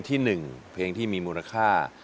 ที่หัวเพลินคำยอม